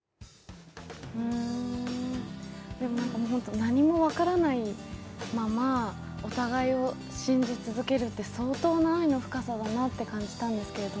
でも何も分からないままお互いを信じ続けるって相当な愛の深さだなと感じたんですけど。